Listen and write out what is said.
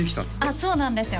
あっそうなんですよ